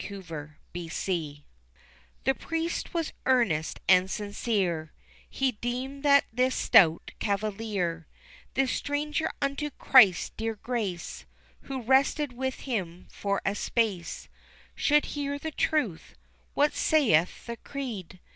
Two Creeds The Priest was earnest and sincere He deemed that this stout cavalier, This stranger unto Christ's dear grace, Who rested with him for a space, Should hear the truth, what saith the creed?